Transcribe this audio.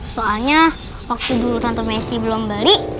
soalnya waktu dulu tante messi belum bali